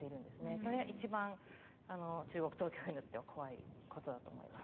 それが一番、中国当局にとっては怖いことだと思います。